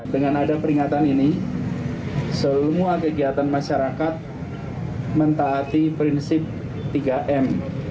dengan ada peringatan ini seluruh kegiatan masyarakat mentaati prinsip tiga m